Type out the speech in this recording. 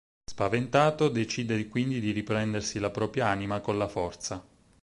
Spaventato, decide quindi di riprendersi la propria anima con la forza.